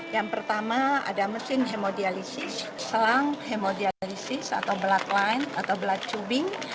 yang pertama ada mesin hemodialisis selang hemodialisis atau blood line atau blood tubing